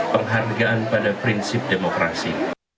penghargaan pada prinsip demokrasi